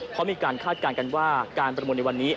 เพราะมีการคาดการณ์กันว่าการประมูลในวันนี้